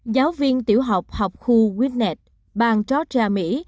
giáo viên tiểu học học khu winnet bàn georgia mỹ